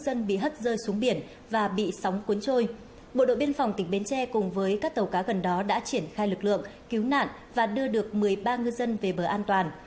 tàu dân bị hất rơi xuống biển và bị sóng cuốn trôi bộ đội biên phòng tỉnh bến tre cùng với các tàu cá gần đó đã triển khai lực lượng cứu nạn và đưa được một mươi ba ngư dân về bờ an toàn